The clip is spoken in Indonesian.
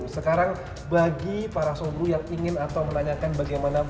sekarang bagi para sobru yang ingin atau menanyakan bagaimana bekerja di biu